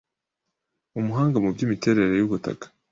Umuhanga mu by’imiterere y’ubutaka